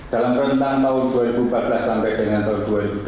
dalam rentang tahun dua ribu empat belas sampai dengan tahun dua ribu delapan belas